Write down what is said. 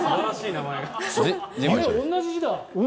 あれ、同じ字だ。